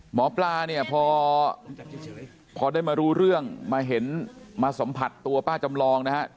หมอปลาเนี่ยพอได้มารู้เรื่องมาเห็นมาสัมผัสตัวป้าจำลองนะครับ